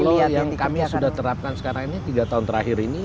kalau yang kami sudah terapkan sekarang ini tiga tahun terakhir ini